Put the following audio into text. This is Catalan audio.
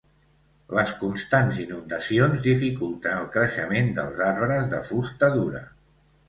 Les constants inundacions dificulten el creixement dels arbres de fusta dura.